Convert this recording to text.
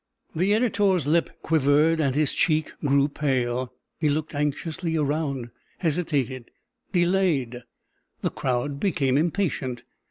The editor's lip quivered, and his cheek grew pale; he looked anxiously around hesitated delayed; the crowd became impatient.